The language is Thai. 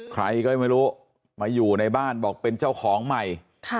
ใครก็ไม่รู้มาอยู่ในบ้านบอกเป็นเจ้าของใหม่